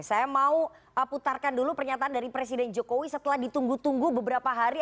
saya mau putarkan dulu pernyataan dari presiden jokowi setelah ditunggu tunggu beberapa hari